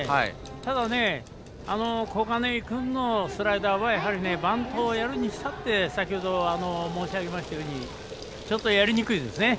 ただ小金井君のスライダーはやはりバントをやるにしたって先ほど申し上げたとおりちょっとやりにくいですね。